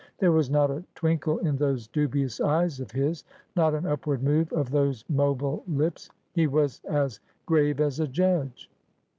There was not a twinkle in those dubious eyes of his — not an upward move of those mobile lips. He was as grave as a judge.